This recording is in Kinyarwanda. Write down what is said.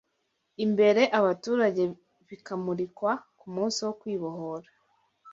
imbere abaturage bikamurikwa ku munsi wo kwibohora